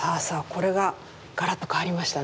これがガラッと変わりましたね。